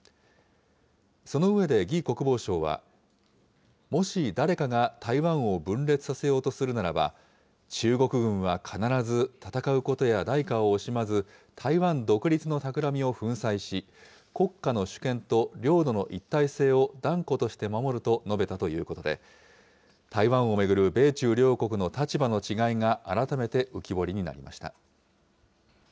その上で、魏国防相は、もし誰かが台湾を分裂させようとするならば、中国軍は必ず戦うことや代価を惜しまず、台湾独立のたくらみを粉砕し、国家の主権と領土の一体性を断固として守ると述べたということで、台湾を巡る米中両国の立場の違いが、改めて浮き彫りになりました。